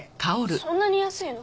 そんなに安いの？